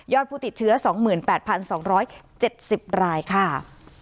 ผู้ติดเชื้อ๒๘๒๗๐รายค่ะ